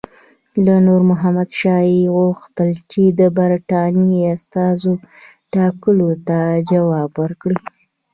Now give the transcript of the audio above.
له نور محمد شاه یې وغوښتل چې د برټانیې استازو ټاکلو ته ځواب ورکړي.